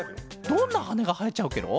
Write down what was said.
どんなはねがはえちゃうケロ？